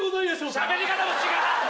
しゃべり方も違う！